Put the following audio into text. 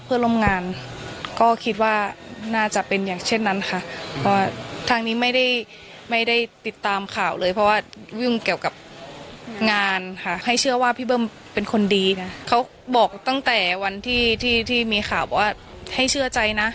เพื่อนตำรวจที่มาร้องตรงนี้บอกว่าให้เชื่อใจนะ